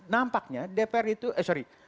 nampaknya dpr itu eh sorry